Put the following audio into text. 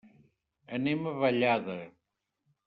Anem a Vallada.